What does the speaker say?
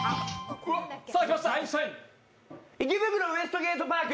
「池袋ウエストゲートパーク」。